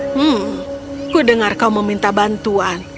hmm ku dengar kau meminta bantuan